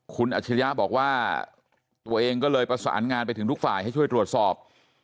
คุณอัจฉริยะบอกว่าตัวเองก็เลยประสานงานไปถึงทุกฝ่ายให้ช่วยตรวจสอบ